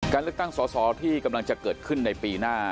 การเลือกตั้งสอสอที่กำลังจะเกิดขึ้นในปีหน้า